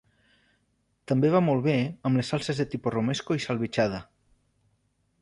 També va molt bé amb les salses del tipus romesco i salvitxada.